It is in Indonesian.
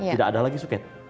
tidak ada lagi suket